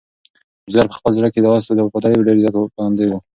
بزګر په خپل زړه کې د آس د وفادارۍ ډېر زیات منندوی و.